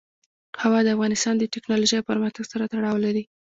هوا د افغانستان د تکنالوژۍ پرمختګ سره تړاو لري.